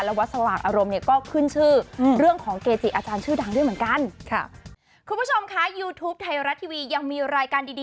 วัดสว่างอารมณ์เนี่ยก็ขึ้นชื่อเรื่องของเกจิอาจารย์ชื่อดังด้วยเหมือนกัน